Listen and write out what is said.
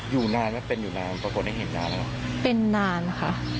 อยู่นานไหมเป็นอยู่นานปรากฏได้เห็นนานแล้วเป็นนานค่ะ